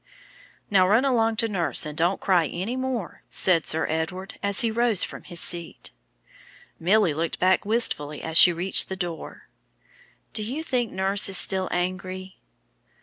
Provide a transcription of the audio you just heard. "Now run along to nurse, and don't cry any more," said Sir Edward, as he rose from his seat. Milly looked back wistfully as she reached the door. "Do you think nurse is still angry?"